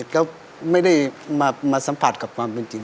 ก็ไม่ได้มาสัมผัสกับความเป็นจริง